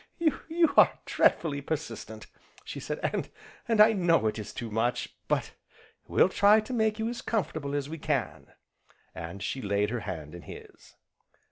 "You are dreadfully persistent!" she said, "and I know it is too much, but we'll try to make you as comfortable as we can," and she laid her hand in his.